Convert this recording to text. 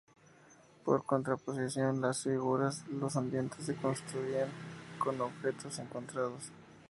Por contraposición con las figuras, los ambientes se construían con objetos encontrados.